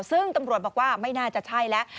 ซึ่งตำรวจบอกว่าไม่น่าจะใช่แล้ว